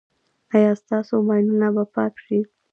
ایا ستاسو ماینونه به پاک شي؟